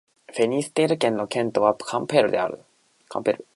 フィニステール県の県都はカンペールである